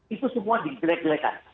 itu semua digele gelekan